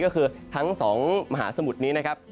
ก็คือทั้งสองมหาสมุทรนี้